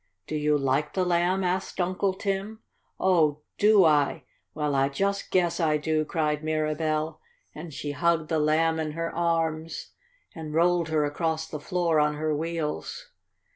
"Do you like the Lamb?" asked Uncle Tim. "Oh, do I? Well, I just guess I do!" cried Mirabell, and she hugged the Lamb in her arms, and rolled her across the floor on her wheels.